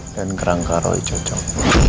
dan kerangka roy cocok